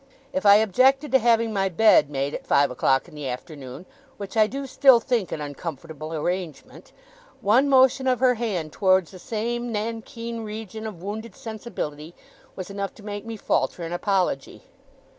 If I objected to having my bed made at five o'clock in the afternoon which I do still think an uncomfortable arrangement one motion of her hand towards the same nankeen region of wounded sensibility was enough to make me falter an apology.